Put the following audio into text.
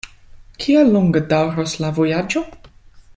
Kiel longe daŭros la vojaĝo?